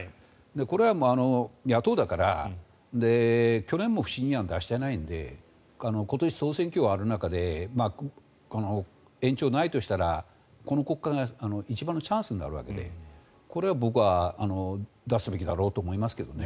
これは野党だから去年も不信任案を出してないので今年、総選挙がある中で延長がないとしたら今国会が一番のチャンスになるわけでこれは僕は出すべきだろうと思いますけどね。